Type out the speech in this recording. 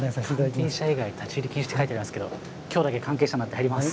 関係者以外立ち入り禁止って書いてありますけど今日だけ関係者になって入ります。